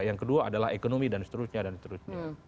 yang kedua adalah ekonomi dan seterusnya dan seterusnya